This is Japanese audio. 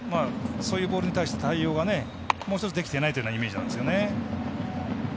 そういうボールに対して対応がもう１つできてないイメージなんですよね。